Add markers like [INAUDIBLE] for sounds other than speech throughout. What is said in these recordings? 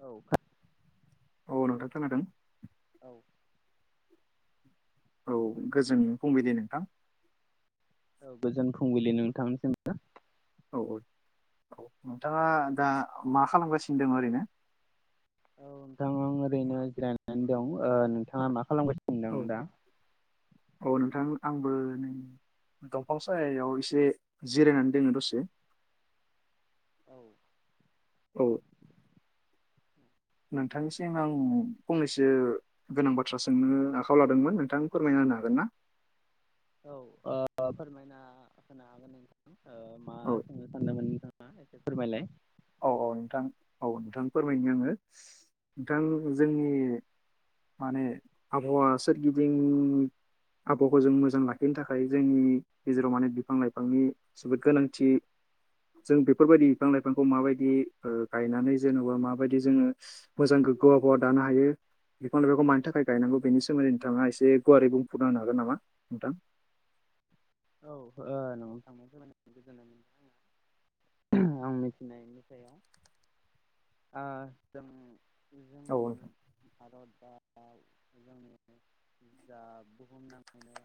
औ। औ नोंथां खोनादों। औ। औ गोजोन फुंबिलि नोंथां। औ गोजोन फुंबिलि नोंथांनिसिम बो। औ औ औ नोंथाङा दा मा खालामगासिनो दङ ओरैनो? औ नोंथां आं ओरैनो जिरायनानै दं ओ नोंथाङा मा खालामगासिनो औ ददों दा? औ नोंथां आंबो नै दंफां सायाव एसे जिरायनानै दोङो दसे। औ। औ। नोंथांनिसिम आं फंनैसो गोनां बाथ्रा सोंनो आखायाव लादोंमोन नोंथां फोरमायनो हागोन ना? [INAUDIBLE] औ फोरमायना होनागोन नों मा औ सोंनो सानदोंमोन? फोरमायलाइ औ औ नोंथां औ नोंथां फोरमायनो आङो नोंथां जोंनि माने आबहावा सोरगिदिं आबहावाखौ जों मोजां लाखिनो थाखाय जोंनि गेजेराव माने बिफां लाइफांनि जोबोद गोनांथि जों बेफोरबायदि बिफां लाइफां माबायदि गायनानै जेन'बा माबायदि जोङो मोजां गोग्गोवा गा दानो हायो बिफां लाइफाखौ मानि थाखाय गायनांगौ बेनि सोमोन्दै नोंथाङा एसे गुवारै बुंफुंनो होनो हागोन नामा नोंथां? औ न'आव थांनायाव ज गोजोननाय मोनदों आङो आं मिथिनायनि सायाव आ जों औ जोंनि नोंथां भारत बा जोंनि जा बुहुम नाङैनो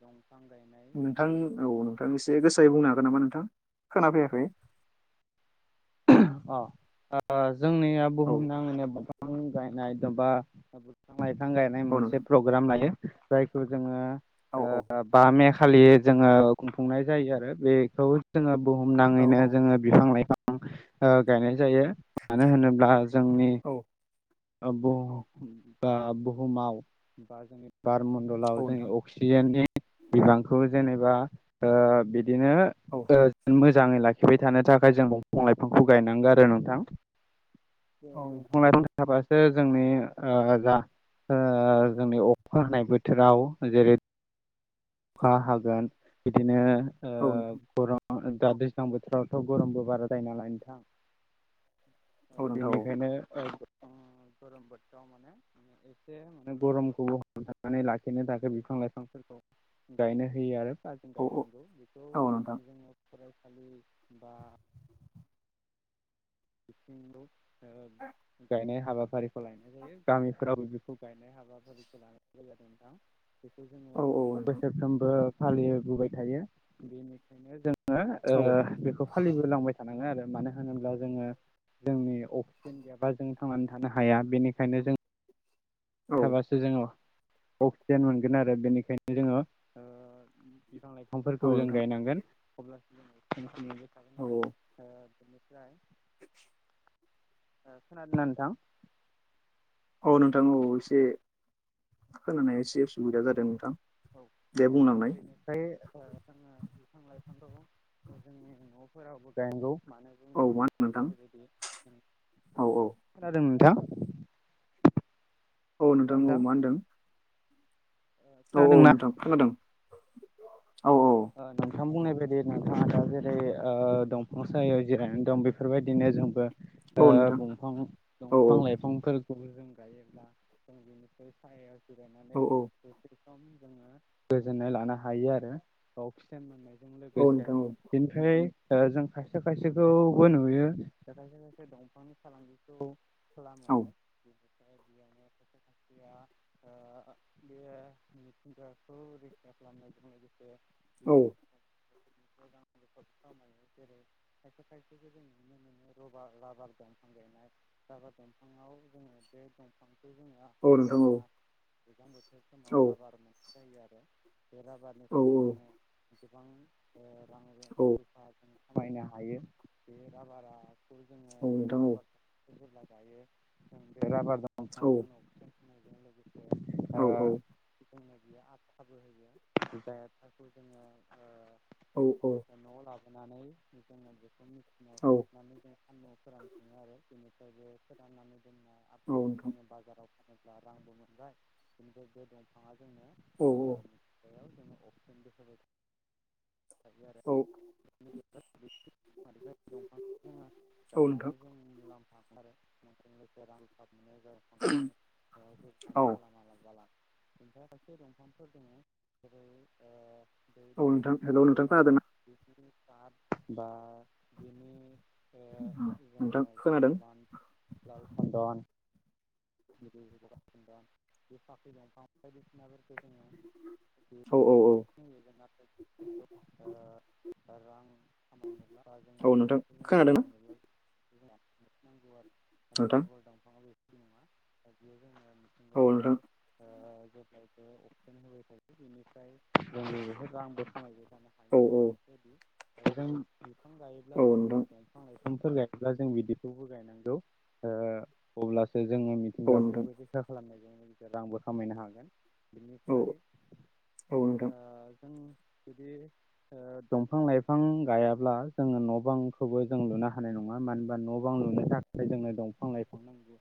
दंफां गायनाय नोंथां जों औ मोनसे नोंथां एसे गोसायै बुंनो हागोन नामा नोंथां खोना फैयाखै अ जोंनिया औ बुहुम नाङैनो बिफां गायनाय बा बिफां लाइफां गायनाय औ मोनसे नोंथां प्रग्राम नालाय जायखौ औ औ जोङो बा मे खालि जोङो खुंफुंनाय जायो आरो बेखौ जोङो बुहुम औ नाङैनो औ जोङो बिफां लाइफां गायनाय जायो मानो होनोब्ला जोंनि औ अ बा बुहुमाव बा जोंनि बार मणडलाव औ जोंनि नोंथां अक्सिजेननि बिबांखौ जेनेबा ओ बिदिनो औ [INAUDIBLE] मोजाङै लाखिबाय थानो थाखाय जों दंफां लाइफांखौ गायनांगौ आरो नोंथां। जों औ दंफां नोंथां औ लाइफां थाबासो जोंनि ओ जा जोंनि अखा हानाय बोथोराव जेरै अखा हागोन बिदिनो ओ औ नोंथां गरम दा दैज्लां बोथोरावथ' गरमबो बारा जायो नालाय नोंथां औ नोंथां बेनिखायनो गरम बोथोराव माने एसे मे गरमखौ हमथनानै लाखिनो थाखाय बिफां लाइफांफोरखौ गायनो होयो आरो बा जों औ गायनांगौ बेखौ औ नोंथां जोङो। फरायसालि बा बिफां गायनाय हाबाफारिखौ लायनाय जायो गामिफोरावबो बेखौ गायनाय हाबाफारिखौ लानाय जादों नोंथां। बेखौ औ जोङो नोंथां बोसोरफ्रोमबो फालिबोबाय थायो बेनिखायनो जों जोङो औ ओ बेखौ फालिबो लांबाय थानाङो आरो मानो होनोब्ला जोङो जोंनि अक्सिजेन गैयाबा जों थांनानै थानो हाया बेनिखायनो जों औ थाबासो जोङो अक्सिजेन मोनगोन आरो बेनिखायनो जोङो ओ बिफां औ लाइफांफोरखौ जों नोंथां गायनांगोन अब्लासो जों बि मोनबाय थागोन औ आरो [INAUDIBLE] [INAUDIBLE] खोनादोंना नोंथां। औ नोंथां औ एसे खोनानाय एसे उसुबिदा जादों नोंथां। औ दे बुं बेनिफ्राय जों बिफां लाइफांखौ जोंनि न' फोरावबो गायनांगौ मानो औ बुङोब्ला मा होनो नोंथां बुंनाय बायदि औ औ खोनादों नोंथां। औ नोंथां औ मा होनदों? औ औ खोनादोंना नोंथां खोनादों। औ औ। नोंथां बुंनाय बायदि नोंथाङा दा जेरै दंफां सायाव जिरायनानै दं बेफोर बायदिनो जोंबो दा औ नोंथां दंफां औ दंफां लाइफांफोर जों गायोब्ला जों बेनिफ्राय सायाव औ जिरायनानै औ जोङो गोजोननाय लानो हायो आरोबाव मोननाय औ लोगोसे नोंथां औ बेनिफ्राय। जों खायसे खायसेखौबो नुयो खायसे खायसे दंफांनि फालांगिखौ खालामो औ आरो बेनि बे मिथिंगाखौ रैखा खालामनाय [INAUDIBLE] खायो औ जेरै खायसे खायसेखौ जों नुनो मोनो रबार राबार दफां गायनाय। राबार दंफाङाव जोङो बे दंफां। जोङो औ नोंथां औ हाना गोजां बोथोर समाव औ नोंथां औ राबार मोनसे जायो आरो बे राबार। औ औ जोङो गोबां रां औ रुफा जों खामायनो हायो बे राबाराखौ जोङो औ बे नोंथां औ राबार दायो जों बे राबार दंफांआ औ जों नो अकिजेन होनायजों औ लोगोसे [INAUDIBLE] खौ जोङो। औ औ। होनानै जोङो बेखौ मेसिनाव सोबनानै जों आ न' फोरानफुङो आरो बेनिफ्राय बे फोराननानै जोंना आताखौ जोङो बाजाराव [INAUDIBLE] [INAUDIBLE] आरो औ। [UNINTELLIGIBLE] गायनानै जों मुलाम्फा [INAUDIBLE] औ खायसे दंफांफोर दङ जेरै [INAUDIBLE] औ नोंथां हेलौ नोंथां खोनादोंना बेनि नोंथां जोङो जेरै खोनादों लाल सन्दन। [INAUDIBLE] औ औ। औ र [INAUDIBLE] [INAUDIBLE] औ नोंथां खोनादोंना नाथाय नोंथां रबार दंफांआ बेफोरबायदि नङा बेयो जोङो औ मिथिंगायाव। नोंथां [INAUDIBLE] हायो आरो बेफोर औ औ बायदि बिफां गायोब्ला औ जोङो नोंथां दंफां लाइफां गायोब्ला जों बिदिखौबो गायनांगौ अब्ला जोङो औ नोंथां मिथिंगाखौबो रैखा खालामनायजों लोगोसे रांबो खामायनो हागोन। औ बिनिफ्राय। [INAUDIBLE] [INAUDIBLE] दंफां लाइफां गायाब्ला जोङो न' बांखौबो जों लुनो हानाय नङा माने बा न' बां लुनो थाखाय जोंनो दंफां लाइफां नांगौ।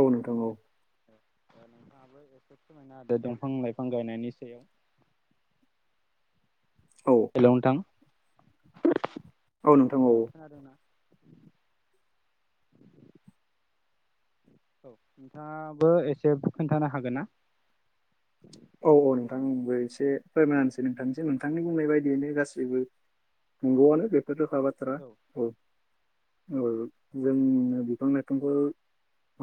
औ नोंथां औ दंफां लाइफां गायनायनि औ हेलौ नोंथां। औ खोनादोंना। [INAUDIBLE] [UNINTELLIGIBLE] औ नोंथाङाबो एसे खोन्थानो हागोन ना। औ औ नोंथांबो एसे फोरमायसै नोंथांनिस नोंथांनि बुंनाय बायदियैनो गासैबो। नोंगौवानो बेफोर रोखाबाथ्रा। औ जोंनो बिफां लाइफांखौ।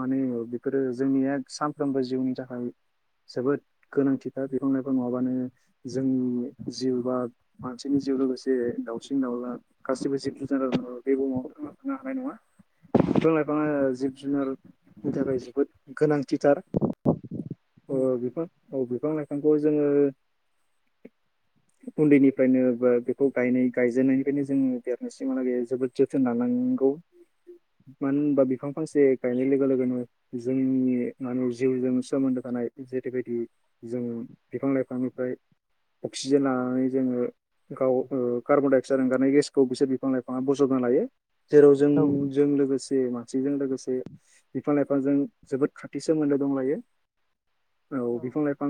माने बेफोरो जोंनिया सानफ्रोमबो जिउनि थाखाय जोबोद। गोनांथिखा बिफां लाइफां नङाबानो जोंनि जिउ बा मानसिनि जिउ लोगोसे। दाउसिन दाउला गासिबो जिब जुनजार बे बुहुमाव थांना थांनो हानाय नङा। [INAUDIBLE] [UNINTELLIGIBLE] बिफां लाइफाङा औ जिब जुनारनि थाखाय जोबोद गोनां। थिथार उम ओ बिफां औ बिफां लाइफांखौ जोङो। [INAUDIBLE] [UNINTELLIGIBLE] उन्दैनिफ्रायनो बा बेखौ गायनाय गायजेननायनिफ्रायनो जोङो देरनायसिमालागे जोबोद जोथोन लानाङो। नोंगौ। [INAUDIBLE] [UNINTELLIGIBLE] मानो होनबा उम बिफां फांसे। गायनाय लोगो लोगोनो जोंनि माने जिउजों सोमोन्दो थानाय जेरैबायदि। जों बिफां लाइफांनिफ्राय अक्सिजेन लानानै जोङो। गाव कार्बन डाइ अक्साइड ओंखारनाय गेसखौ बिसोर बिफां लाइफाङा बजबना लायो। जेराव औ जोंजों लोगोसे मानसिजों लोगोसे बिफां लाइफां। बिफांजों जोबोद खाथि सोमोन्दो दंलायो। औ।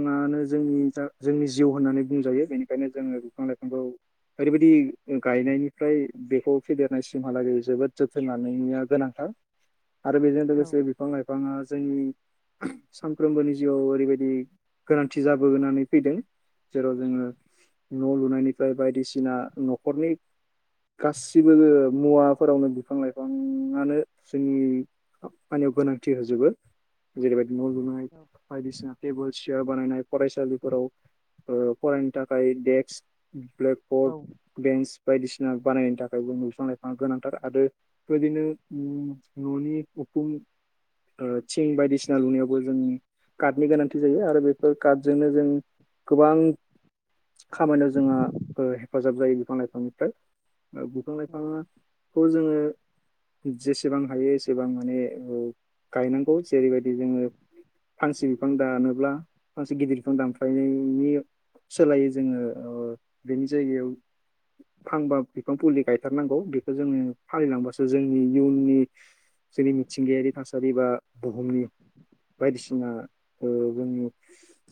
मानो जोंनि जा जोंनि जिउ होननानै बुंजायो बेनिखायनो जोङो बिफां लाइफांखौ। ओरैबायदि गायनायनिफ्राय बेखौ फेदेरनायसिमहालागै जोबोद जोथोन लानायनिया गोनांथार। [UNINTELLIGIBLE] [INAUDIBLE] आरो बेजों औ लोगोसे बिफां लाइफाङा जोंनि सानफ्रोमबोनि जिउआव ओरैबायदि। गोनांथि जाबोनानै फैदों जेराव जोङो। न' लुनायनिफ्राय बायदिसिना न'खरनि। गासिबो मुवाफोरावनो बिफां लाइफाङानो। फानियाव गोनांथि होजोबो जेरैबायदि न' लुनाय औ बायदिसिना टेबोल। सियार बानायनाय फरायसालिफोराव ओ फरायनो थाखाय देक्स। औ ब्लेकबर्ड बेन्स बायदिसिना। बानायनायनि थाखायबो बिफां लाइफांआ गोनांथार आरो बेदिनो न'नि उफुं। थिं बायदिसिना लुनायावबो जों काटनि गोनां। थि जायो आरो बेफोर कार्टजोंनो जों गोबां। खामानियाव जोंहा हेफाजाब जायो बिफां लाइफांनिफ्राय बिफां लाइफाङा। खौ जोङो। जेसेबां हायो एसेबां माने गायनांगौ जेरैबायदि जोङो। फांसे बिफां दानोब्ला फांसे गिदिर बिफां दानफायनायनि। सोलायो जोङो बेनि जायगायाव फांबा। बिफां फुलि गायथारनांगौ बेखौ जोङो फालिलांबासो जोंनि। इयननि जोंनि मिथिंगायारि थासारि बा बुहुमनि बायदिसिना। ओ [INAUDIBLE] जोंनि [UNINTELLIGIBLE]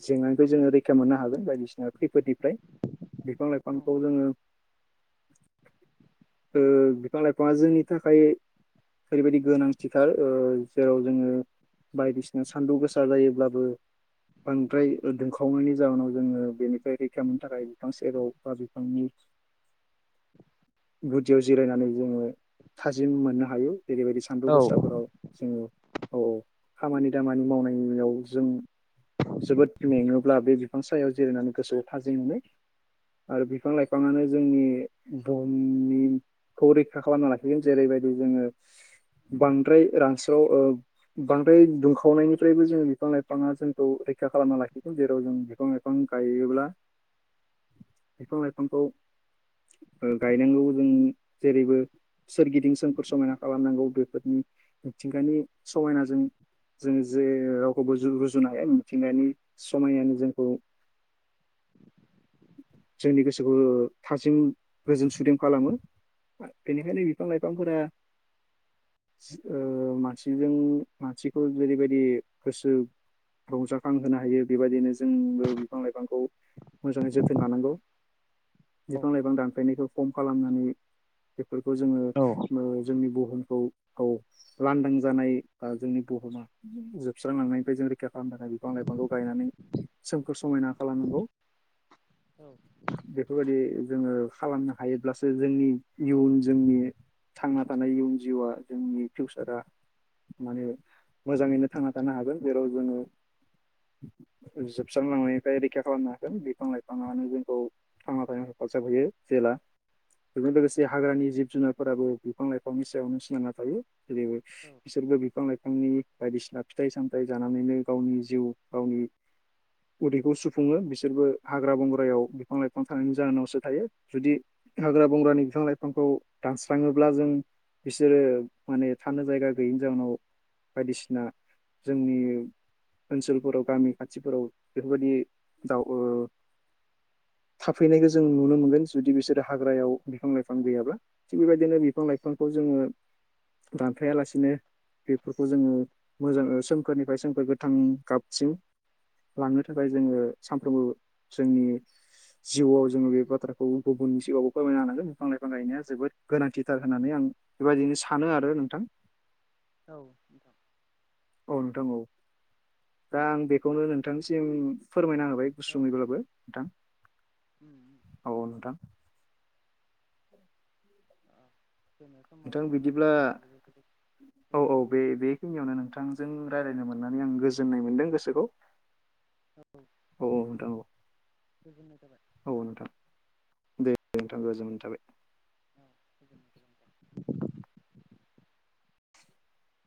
जेंनानिफ्राय जोङो रैखा मोननो हागोन बायदिसिना खैफोदनिफ्राय। बिफां लाइफांखौ जोङो। [INAUDIBLE] [UNINTELLIGIBLE] ओ बिफां लाइफाङा जोंनि थाखाय ओरैबायदि गोनांथिथार जेराव जोंङो बायदिसिना सान्दुं गोसा जायोब्ला बांद्राय दुंखावनायनि जाहोनाव जोंङो बेनिफ्राय रैखा मोननो थाखाय बिफां सेराव ओ बिफांनि गुदियाव जिरायनानै जोङो थाजिम मोननो हायो जेरैबायदि सान्दुं गोसाफोराव जोंङो औ औ खामानि दामानि मावनाय नुयो जों जोबोद मेङोब्ला बे बिफां सायाव जिरायनानै गोसोखौ थाजि मोनो आरो बिफां लाइफाङानो जोंनि बुहुमनिखौ रैखा खालामना लाखिगोन जेरै बेबायदि जोंङो बांद्राय रानस्राव ओ बांद्राय दुंखावनायनिफ्रायबो जोंङो बिफां लाइ बिफांआ जोंखौ रैखा खालामना लाखिगोन जेराव जों बिफां लाइफां गायोब्ला बिफां लाइफांखौ ओ गायनांगौ जों जेरैबो सोरगिदिं सोमखोर समायना खालामनांगौ गो मिथिंगानि समायनाजों जों जे रावखौबो रुजुनो हाया मिथिंनायनि समायनायानो जोंखौ जोंनि गोसोखौ थाजिम गोजोन सुदेम खालामो बेनिखायनो बिफां लाइफांफोरा ओ मानसिजों मानसिखौ जेरैबायदि गोसो रंजाखां होनो हायो बेबायदिनो जोंबो बिफां लाइफांखौ मोजाङै जोथोन लानांगौ बिफां लाइफां दानफायनायखौ खम खालामनानै बेफोरफोरखौ जोंङो जोंनि बुहुमखौ औ लांदां जानाय जोंनि बुहुमा जोबस्रांलांनायनिफ्राय जों रै रा खालामनो थाखाय बिफां लाइफांखौ गायनानै सोमखोर समायना खालामनांगौ बेफोरबादि जोंङो खालामनो हायोब्लासो जोंनि इयुन जोंनि थांना थानाय इयुन जिउआ जोंनि फिउसारा माने मोजाङैनो थांना थानो हागोन जेराव जोङो [INAUDIBLE] जोबस्रांलांनायनिफ्राय रैखा खालामनो हागोन बिफां लाइफाङानो जोंखौ थांना थानो थाखाय [INAUDIBLE] जेला बेजों लोगोसे हाग्रानि जिब जुनारफोराबो बिफां लाइफांनि सायावनो सिनायना थायो जेरैबो औ बिसोरबो बिफां लाइफांनि बायदिसिना फिथाइ सामथाइ जानानैनो गावनि जिउ गावनि उदैखौ सुफुङो बिसोरबो हाग्रा बंग्रायाव बिफां लाइफां थानायनि जाहोनावसो थायो जुदि हाग्रा बंग्रानि बिफां लाइफांखौ दानस्राङोब्ला जों बिसोरो माने थानो जायगा गैयिनि जाउनाव बायदिसिना जोंनि ओनसोलफोराव गामि खाथिफोराव बेफोरबायदि दाव ओ [INAUDIBLE] थाफैनायखौ जों नुनो मोनगोन जुदि बिसोरो हाग्रायाव बिफां लाइफां गैयाब्ला थिग बेबायदिनो बिफां लाइफांखौ जों [INAUDIBLE] दानफायालासिनो बेफोरखौ जोंङो मोजां ओ सोमखोरनिफ्राय सोमखोर गोथां गाबसिम लांनो थाखाय जोङो सानफ्रोमबो जोंनि जिउआव जोङो बे बाथ्राखौ गुबुननि सिगांआवबो फोरमायनो हानांगोन बिफां लाइफां गायनाया जोबोद गोनांथिथार होननानै आं बेबायदिनो सानो आरो नोंथां औ नोंथां औ नोंथां औ दा आं बेखौनो नोंथांनिसिम फोरमायना होबाय बाय औ गुसुैब्लाबो नोंथां उम औ नोंथां [INAUDIBLE] नोंथां समाबो जाबाय बिदिब्ला गोजोननाय औ थाबाय औ बे बेखिनियावनो नोंथां जों रायलायनो मोननानै आं गोजोननाय मोनदों गोसोखौ [UNINTELLIGIBLE] औ औ नोंथां गोजोननाय जाबाय औ औ नोंथां दे नोंथां गोजोननाय थाबाय [UNINTELLIGIBLE]